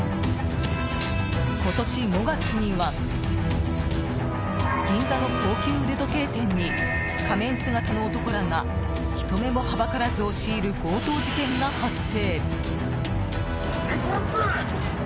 今年５月には銀座の高級腕時計店に仮面姿の男らが人目もはばからず押し入る強盗事件が発生。